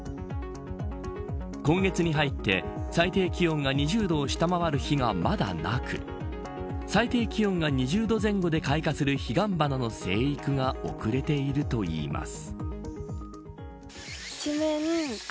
今月に入って、最低気温が２０度を下回る日がまだなく最低気温が２０度前後で開花するヒガンバナの生育が遅れているといいます。